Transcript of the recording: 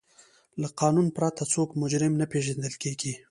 له قانون پرته څوک مجرم نه پیژندل کیږي.